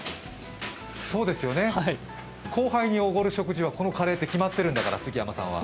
そうですよね、後輩におごる食事はここのカレーって決まってるんだから、杉山さんは。